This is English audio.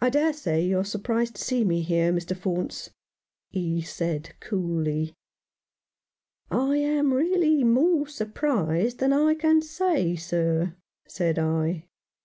"I dare say you are surprised to see me here, Mr. Faunce," he said coolly. "I am really more surprised than I can say, sir," said I.